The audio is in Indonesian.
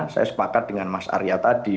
saya sepakat dengan mas arya tadi